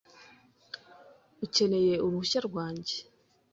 Ukeneye uruhushya rwanjye .